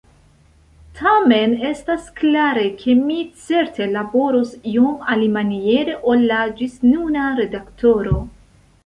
Tamen estas klare, ke mi certe laboros iom alimaniere ol la ĝisnuna redaktoro.